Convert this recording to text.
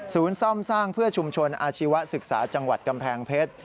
ซ่อมสร้างเพื่อชุมชนอาชีวศึกษาจังหวัดกำแพงเพชร